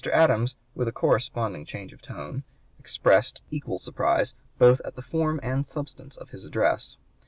Adams "with a corresponding change of tone" expressed equal surprise, "both at the form and substance of his address."